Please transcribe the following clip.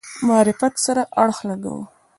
معرفت سره اړخ لګاوه.